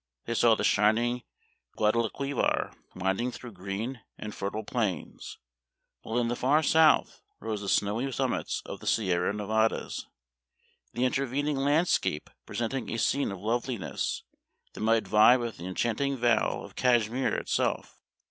They saw the shining Guadalquivir winding through green and fertile plains, while in the far south rose the snowy summits of the Sierra Nevadas, the intervening landscape presenting a scene of loveliness that might vie with the enchanting vale of Cashmere itself.